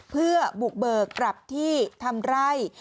เพื่อบุกเบิกกลับที่ทำไร่